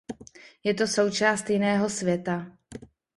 Je to součást jiného světa.